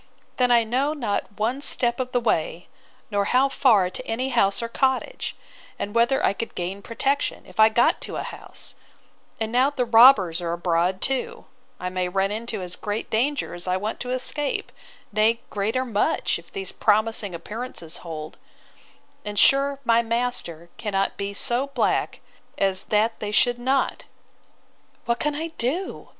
—Then I know not one step of the way, nor how far to any house or cottage; and whether I could gain protection, if I got to a house: And now the robbers are abroad too, I may run into as great danger as I want to escape; nay, greater much, if these promising appearances hold: And sure my master cannot be so black as that they should not!—What can I do?